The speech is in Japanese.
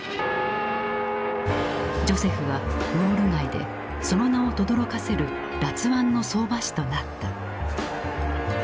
ジョセフはウォール街でその名をとどろかせる辣腕の相場師となった。